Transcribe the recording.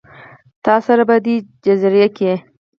تا سره، په دې جزیره کې